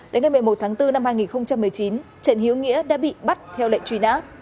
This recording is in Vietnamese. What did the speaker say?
đến ngày một mươi một tháng bốn năm hai nghìn một mươi chín trần hiếu nghĩa đã bị bắt theo lệnh truy nã